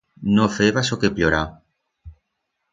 No feba soque plorar.